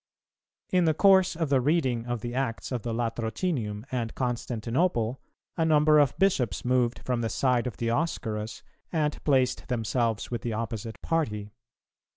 In the course of the reading of the Acts of the Latrocinium and Constantinople, a number of Bishops moved from the side of Dioscorus and placed themselves with the opposite party.